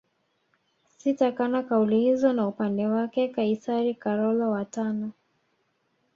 Sitakana kauli hizo na Upande wake Kaisari Karolo wa tano